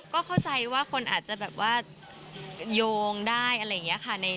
ก็เข้าใจว่าคนอาจจะแบบว่าโยงได้อะไรอย่างนี้ค่ะ